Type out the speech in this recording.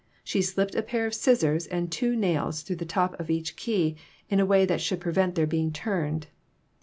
She slipped a pair of scissors and two nails through the top of each key in a way that should prevent their being turned.